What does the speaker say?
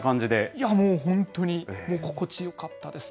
いやもう本当に、もう心地よかったです。